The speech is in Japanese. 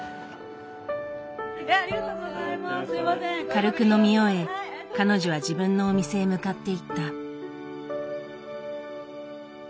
軽く飲み終え彼女は自分のお店へ向かっていった。